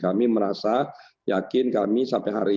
kami merasa yakin kami sampai hari ini